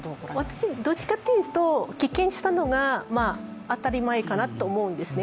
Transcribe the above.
私はどっちかっていうと、棄権したのが当たり前かなというふうに思うんですね